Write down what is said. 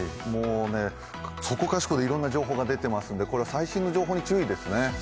そこかしこでいろんな情報が出てますんでこれは最新の情報に注意ですね。